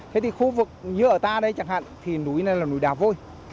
thế thì khu vực như ở ta đây chẳng hạn thì núi này là núi đá vôi